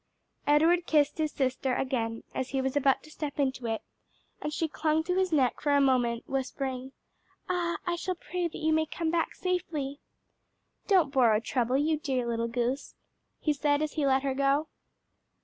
Edward kissed his sister again as he was about to step into it, and she clung to his neck for a moment whispering, "Ah, I shall pray that you may come back safely!" "Don't borrow trouble, you dear little goose," he said, as he let her go.